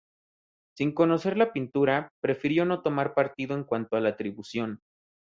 Sin conocer la pintura, prefirió no tomar partido en cuanto a la atribución.